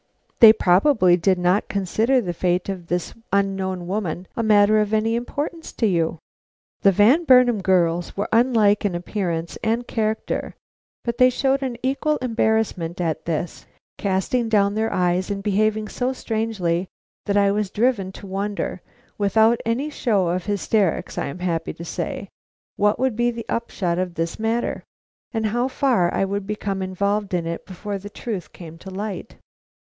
"They probably did not consider the fate of this unknown woman a matter of any importance to you." The Van Burnam girls were unlike in appearance and character, but they showed an equal embarrassment at this, casting down their eyes and behaving so strangely that I was driven to wonder, without any show of hysterics I am happy to say, what would be the upshot of this matter, and how far I would become involved in it before the truth came to light.